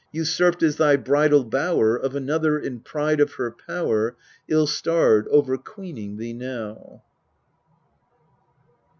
Usurped is thy bridal bower Of another, in pride of her power, Ill starred, overqueening thee now.